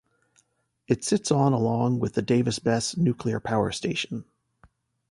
It sits on along with the Davis-Besse Nuclear Power Station.